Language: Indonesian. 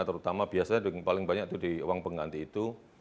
terutama biasanya paling banyak itu di uang pengganti itu